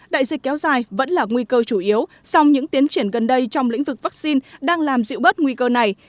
đại dịch kéo dài vẫn là nguy cơ chủ yếu song những tiến triển gần đây trong lĩnh vực vaccine đang làm dịu bớt nguy cơ này